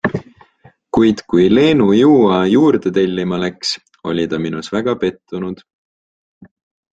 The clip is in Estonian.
Kuid kui Leenu juua juurde tellima läks, oli ta minus väga pettunud.